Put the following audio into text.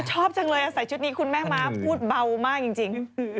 ชอบจังเลยใส่ชุดนี้คุณแม่ม้าพูดเบามากจริง